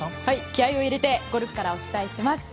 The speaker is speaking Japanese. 気合を入れてゴルフからお伝えします。